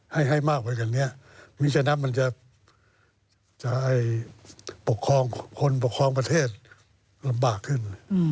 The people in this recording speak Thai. ให้ผลปกครองประเทศลำบากขึ้น